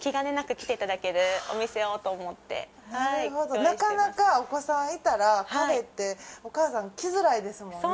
なるほどなかなかお子さんいたらカフェってお母さん来づらいですもんね。